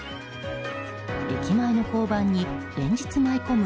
駅前の交番に連日舞い込む